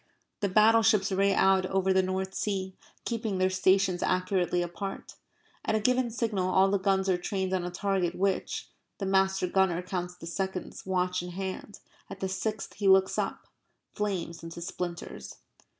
The battleships ray out over the North Sea, keeping their stations accurately apart. At a given signal all the guns are trained on a target which (the master gunner counts the seconds, watch in hand at the sixth he looks up) flames into splinters.